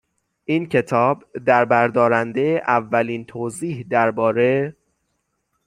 این کتاب دربردارنده اولین توضیح درباره